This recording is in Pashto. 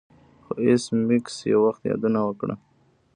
خو ایس میکس یو وخت یادونه وکړه